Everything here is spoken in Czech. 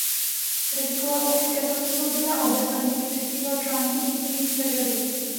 Redigoval také časopis "Svobodná obec" a někdy přispíval články do jiných periodik.